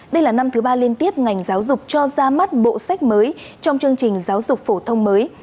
đây là năm thứ ba liên tiếp ngành giáo dục cho ra mắt bộ sách mới trong chương trình giáo dục phổ thông mới